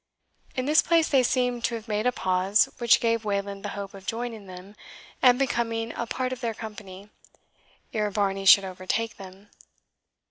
In this place they seemed to have made a pause, which gave Wayland the hope of joining them, and becoming a part of their company, ere Varney should overtake them.